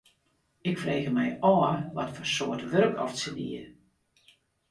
Ik frege my ôf watfoar soarte wurk oft se die.